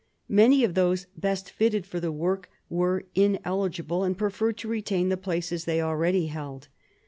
Many of those best fitted for the work were ineligible, and preferred to retain the places they already held.